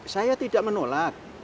saya tidak menolak